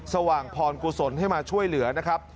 สว่างพรกุศลให้มาช่วยเหลือนะครับ